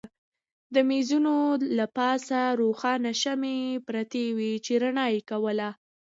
د مېزونو له پاسه روښانه شمعې پرتې وې چې رڼا یې کوله.